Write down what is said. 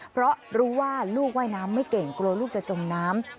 เพราะรู้ว่าลูกว่ายน้ำไม่เก่งกลัวลูกจะจมน้ำ